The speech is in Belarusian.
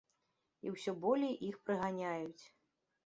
І ўсё болей іх прыганяюць.